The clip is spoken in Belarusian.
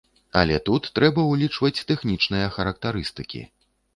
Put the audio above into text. Але тут трэба ўлічваць тэхнічныя характарыстыкі.